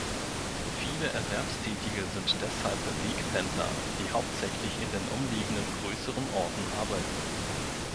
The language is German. Viele Erwerbstätige sind deshalb Wegpendler, die hauptsächlich in den umliegenden grösseren Orten arbeiten.